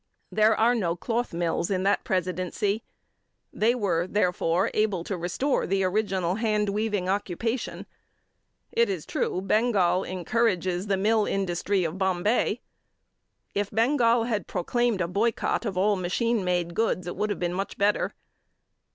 There are no cloth mills in that Presidency. They were, therefore, able to restore the original hand weaving occupation. It is true Bengal encourages the mill industry of Bombay. If Bengal had proclaimed a boycott of all machine made goods, it would have been much better.